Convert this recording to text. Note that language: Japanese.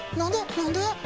何で？